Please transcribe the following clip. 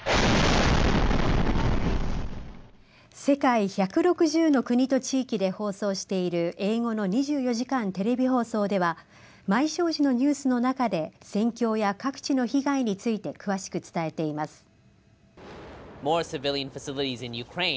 世界１６０の国と地域で放送している英語の２４時間テレビ放送では毎正時のニュースの中で戦況や各地の被害について詳しく伝えています。